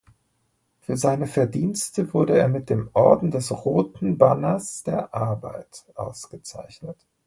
Für seine Verdienste wurde er mit dem Orden des Roten Banners der Arbeit ausgezeichnet.